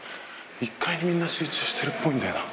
１階にみんな集中してるっぽいんだよな。